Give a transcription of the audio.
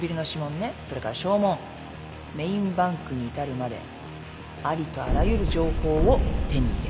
それから掌紋メーンバンクに至るまでありとあらゆる情報を手に入れた。